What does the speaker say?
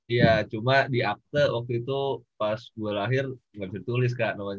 iya cuma di akte waktu itu pas gue lahir nggak bisa ditulis kak namanya